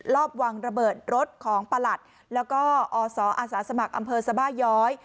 รอบวางระเบิดรถของประหลัดแล้วก็อศอาสาสมัครอำเภอสบาย้อย